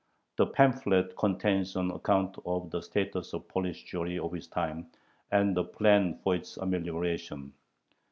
The pamphlet contains an account of the status of Polish Jewry of his time and a plan for its amelioration.